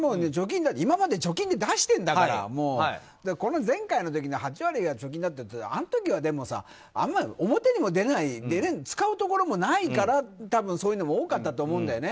今まで貯金で出しているんだから前回の８割が貯金だったってあの時はあんまり表にも出れないし使うところもないから多分、そういうのが多かったと思うんだよね。